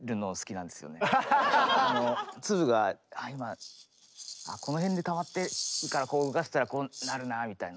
粒が今この辺でたまってるからこう動かしたらこうなるなみたいな。